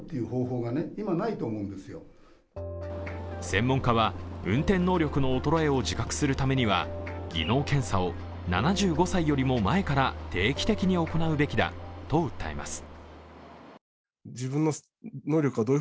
専門家は、運転能力の衰えを自覚するためには技能検査を７５歳よりも前から定期的に行うべきだと訴えます。